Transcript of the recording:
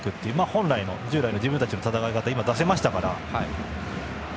本来の従来の自分たちの戦いを出せましたから。